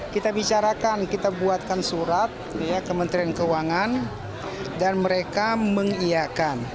kita bicarakan kita buatkan surat kementerian keuangan dan mereka mengiakan